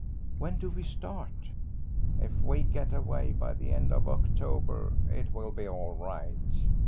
"When do we start?" "If we get away by the end of October it will be all right.